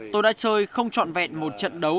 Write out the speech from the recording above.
tôi đã chơi không trọn vẹn một trận đấu